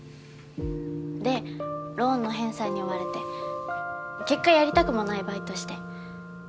でローンの返済に追われて結果やりたくもないバイトして。